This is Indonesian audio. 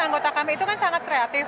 anggota kami itu kan sangat kreatif